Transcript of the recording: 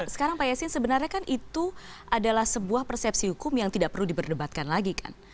sekarang pak yasin sebenarnya kan itu adalah sebuah persepsi hukum yang tidak perlu diperdebatkan lagi kan